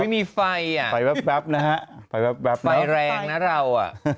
อุ๊ยมีไฟอ่ะไฟแป๊บนะฮะไฟแป๊บนะฮะไฟแรงนะเราอ่ะ